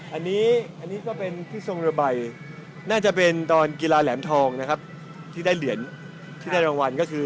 อันนี้ก็เป็นที่ทรงระบัยน่าจะเป็นตอนกีฬาแหลมทองที่ได้เหรียญ